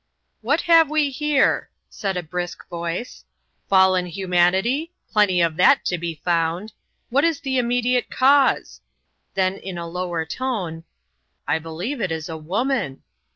"What have we here?" said a brisk voice, " Fallen humanity ? plenty of that to be found. What is the immediate cause ?" Then in a lower tone :" I believe it is a wo man